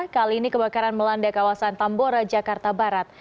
kali ini kebakaran melanda kawasan tambora jakarta barat